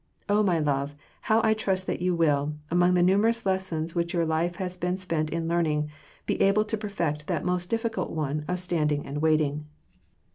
Oh, my love, how I trust that you will, among the numerous lessons which your life has been spent in learning, be able to perfect that most difficult one of standing and waiting."